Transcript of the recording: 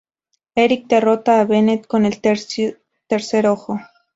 Eric derrota a Bennett con el Tercer Ojo.